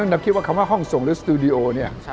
แต่ก่อนละนับคิดว่าคำว่าห้องส่งหรือสตูดิโอเนี่ย